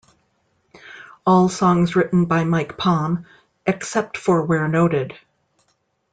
All songs written by Mike Palm, except for where noted.